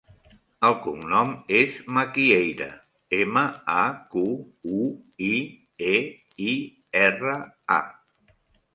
El cognom és Maquieira: ema, a, cu, u, i, e, i, erra, a.